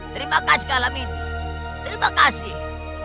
terima kasih kalamini terima kasih